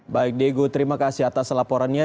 baik diego terima kasih atas laporannya